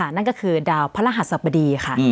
นั่นก็คือดาวพระรหัสสบดีค่ะ